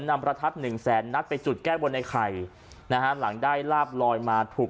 ประทัดหนึ่งแสนนัดไปจุดแก้บนไอ้ไข่นะฮะหลังได้ลาบลอยมาถูก